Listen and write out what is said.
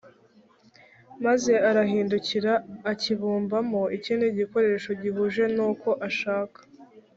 maze arahindukira akibumbamo ikindi gikoresho gihuje n uko ashaka